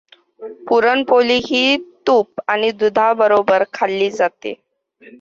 पुरणपोळी ही तुप आणि दुधाबरोबर खाल्ली जाते.